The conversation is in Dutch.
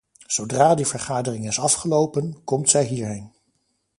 Zodra die vergadering is afgelopen, komt zij hierheen.